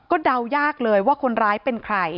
เดายากเลยว่าคนร้ายเป็นใคร